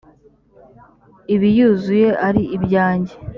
ibiyuzuye ari ibyanjye